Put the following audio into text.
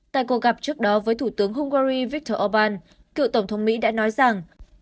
tại cuộc gặp trước đó với thủ tướng hungary viktor orbán cựu tổng thống mỹ đã nói rằng